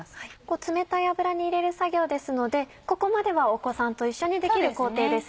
冷たい油に入れる作業ですのでここまではお子さんと一緒にできる工程ですね。